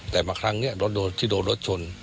แต่บางครั้งเนี่ยที่โดดรถชน